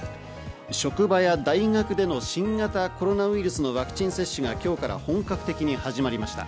職場や大学での新型コロナウイルスワクチン接種が今日から本格的に始まりました。